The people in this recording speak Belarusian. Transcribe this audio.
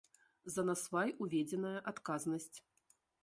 За насвай уведзеная адказнасць.